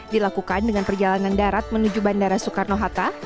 dilakukan dengan perjalanan darat menuju bandara soekarno hatta